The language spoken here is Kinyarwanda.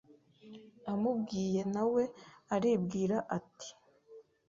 amubwiye na we aribwira ati